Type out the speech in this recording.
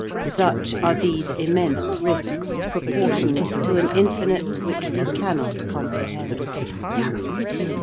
Such are these immense risks proportioned to an infinite which we cannot comprehend.